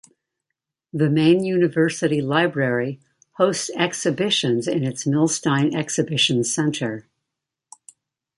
The main University Library hosts exhibitions in its Milstein Exhibition Centre.